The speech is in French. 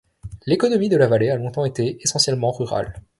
L'économie de la vallée a longtemps été essentiellement rurale.